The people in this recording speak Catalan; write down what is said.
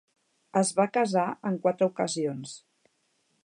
Es va casar en quatre ocasions.